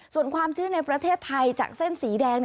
ส่วนความชื้นในประเทศไทยจากเส้นสีแดง